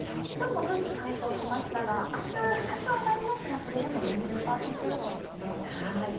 今日も空気は乾燥しましたが、明日、多少ありますが、それでも４０％予想ですね。